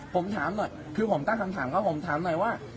ผมถามหน่อยคือผมตั้งคำถามครับผมถามหน่อยว่า